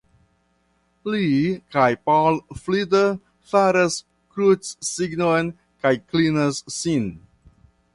Li kaj Pal Flida faras krucsignon kaj klinas sin.